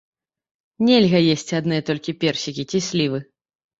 Нельга есці адныя толькі персікі ці слівы.